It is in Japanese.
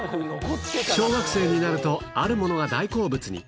小学生になると、あるものが大好物に。